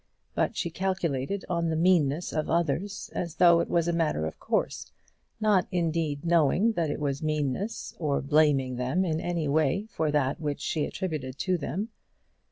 But she calculated on the meanness of others, as though it was a matter of course, not, indeed, knowing that it was meanness, or blaming them in any way for that which she attributed to them.